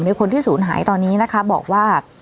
คนที่ศูนย์หายตอนนี้นะคะบอกว่า